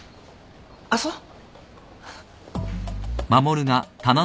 あっそう？